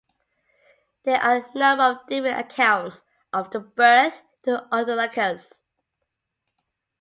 There are a number of different accounts of the birth of Autolycus.